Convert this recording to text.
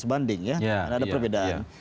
sebanding ya ada perbedaan